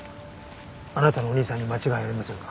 あなたのお兄さんに間違いありませんか？